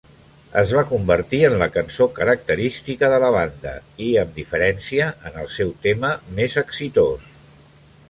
Es va convertir en la cançó característica de la banda i, amb diferència, en el seu tema més exitós.